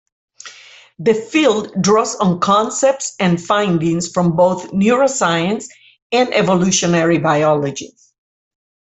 The field draws on concepts and findings from both neuroscience and evolutionary biology.